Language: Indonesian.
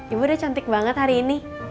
ibu udah cantik banget hari ini